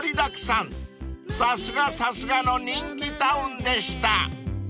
［さすがさすがの人気タウンでした］